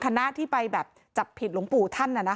เพราะทนายอันนันชายเดชาบอกว่าจะเป็นการเอาคืนยังไง